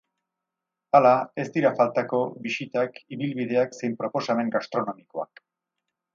Hala, ez dira faltako, bisitak, ibilbideak zein proposamen gastronomikoak.